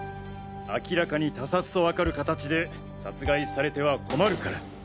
明らかに他殺とわかるかたちで殺害されては困るから。